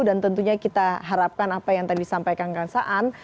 dan tentunya kita harapkan apa yang tadi disampaikan kang saan